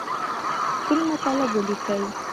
ښکلي مطالب ولیکئ.